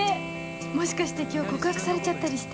もしかして今日告白されちゃったりして